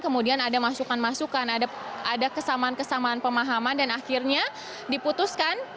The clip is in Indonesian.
kemudian ada masukan masukan ada kesamaan kesamaan pemahaman dan akhirnya diputuskan